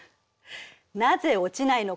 なぜ落ちないのか。